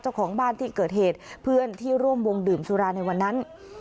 เจ้าของบ้านที่เกิดเหตุเพื่อนที่ร่วมวงดื่มสุราในวันนั้น